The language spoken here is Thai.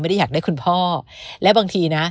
ไม่ได้อยากได้คุณพ่อและบางทีนะ